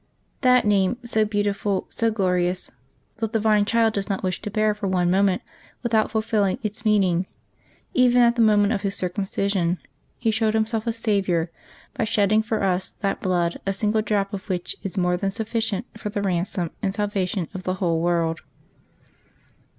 That name, so beautiful, so glorious, the divine Child does not wish to bear for one moment without fulfilling its meaning; even at the mo ment of His circumcision He showed Himself a Saviour by shedding for us that blood a single drop of which is more than sufficient for the ransom and salvation of the whole world.